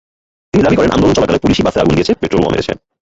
তিনি দাবি করেন, আন্দোলন চলাকালে পুলিশই বাসে আগুন দিয়েছে, পেট্রলবোমা মেরেছে।